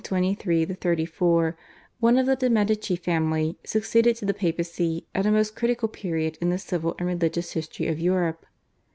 (1523 34), one of the de' Medici family, succeeded to the Papacy at a most critical period in the civil and religious history of Europe.